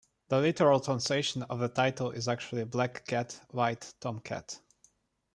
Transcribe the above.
The literal translation of the title is actually "Black cat, white tomcat".